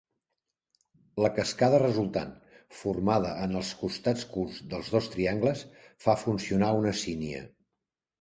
La cascada resultant, formada en els costats curts dels dos triangles, fa funcionar una sínia.